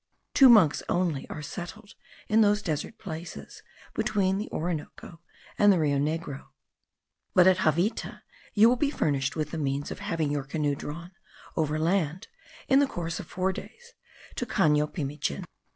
Two monks only are settled in those desert places, between the Orinoco and the Rio Negro; but at Javita you will be furnished with the means of having your canoe drawn over land in the course of four days to Cano Pimichin.